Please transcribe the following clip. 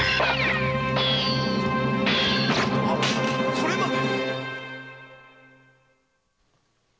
それまで！